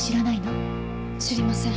知りません。